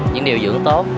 những điều dưỡng tốt